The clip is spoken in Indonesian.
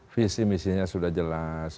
visi misinya sudah jelas